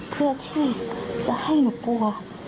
เพื่อที่จะให้หนูกลัว